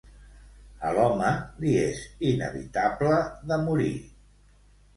A l'home li és inevitable de morir.